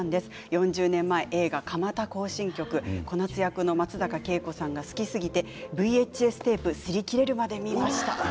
４０年前、映画「蒲田行進曲」小夏役の松坂慶子さんが好きすぎてＶＨＳテープすり切れるまで見ました。